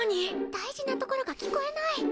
大事なところが聞こえない。